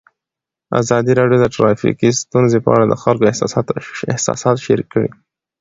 ازادي راډیو د ټرافیکي ستونزې په اړه د خلکو احساسات شریک کړي.